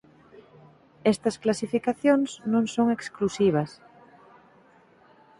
Estas clasificacións non son exclusivas.